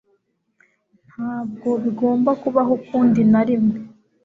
Ntabwo bigomba kubaho ukundi narimwe.